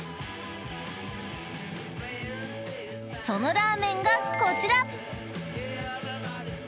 ［そのラーメンがこちら］